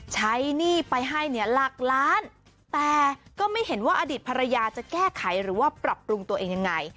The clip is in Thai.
หนี้ไปให้เนี่ยหลักล้านแต่ก็ไม่เห็นว่าอดีตภรรยาจะแก้ไขหรือว่าปรับปรุงตัวเองยังไง